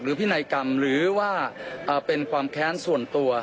พินัยกรรมหรือว่าเป็นความแค้นส่วนตัว